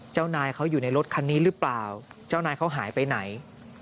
เจ้านายเขาอยู่ในรถคันนี้หรือเปล่าเจ้านายเขาหายไปไหน